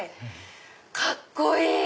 カッコいい！